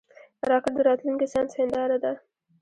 راکټ د راتلونکي ساینس هنداره ده